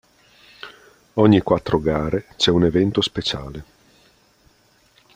Ogni quattro gare c'è un evento speciale.